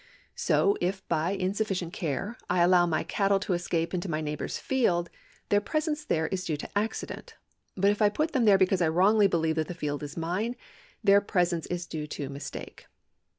So if by insufficient care I allow my cattle to escape into ni}'' neighbour's field, their presence there is due to accident ; but if I put them there because I wrongly believe that the field is mine, their Y, B. 17 Edw. IV. 2. 372 LIABILITY (CONTINUED) [§ 148 presence is due to mistake.